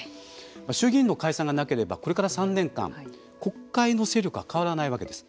衆議院の解散がなければこれから３年間国会の勢力は変わらないわけです。